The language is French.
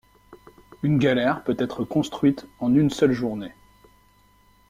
Une galère peut être construite en une seule journée.